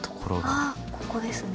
あっここですね。